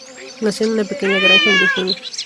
Nació en una pequeña granja en Virginia.